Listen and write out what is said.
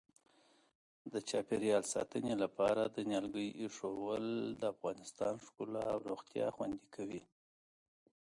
د چاپیریال ساتنې لپاره د نیالګیو اېښودل د افغانستان ښکلا او روغتیا خوندي کوي.